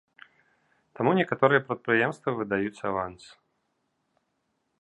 Таму некаторыя прадпрыемствы выдаюць аванс.